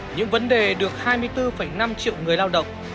những vấn đề được hai mươi bốn năm triệu người lao động